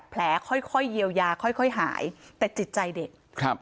แผลค่อยค่อยเยียวยาค่อยค่อยหายแต่จิตใจเด็กครับ